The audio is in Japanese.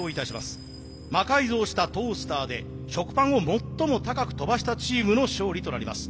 魔改造したトースターで食パンを最も高く跳ばしたチームの勝利となります。